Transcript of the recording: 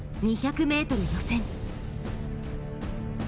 ２００ｍ予選。